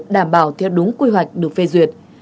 đảm bảo theo đúng quy hoạch được phê duyệt